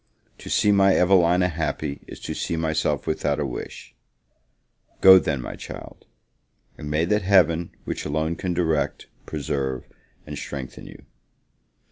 To see my Evelina happy, is to see myself without a wish: go, then my child; and may that Heaven, which alone can direct, preserve and strengthen you!